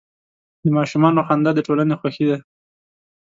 د ماشومانو خندا د ټولنې خوښي ده.